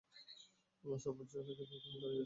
কোন সাপোর্ট ছাড়াই, কিভাবে দাঁড়িয়ে আছে?